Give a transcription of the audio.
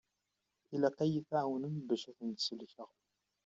Ilaq ad yi-tɛawnemt bac ad tent-id-sellkeɣ.